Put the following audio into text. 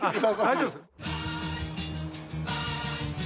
大丈夫です。